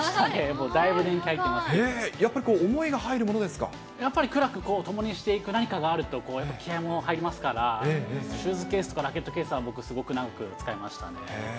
やっぱりこう、思いが入るもやっぱり、苦楽を共にしていく何かがあると、気合いも入りますから、シューズケースとかラケットケースは僕はすごく長く使いましたね。